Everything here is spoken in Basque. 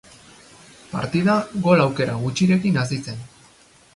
Partida gol aukera gutxirekin hasi zen.